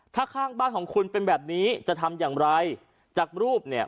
ถ้าข้างบ้านของคุณเป็นแบบนี้จะทำอย่างไรจากรูปเนี่ย